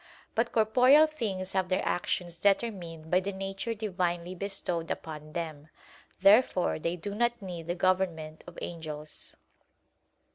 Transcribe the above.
But corporeal things have their actions determined by the nature divinely bestowed upon them. Therefore they do not need the government of angels.